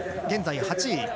現在８位。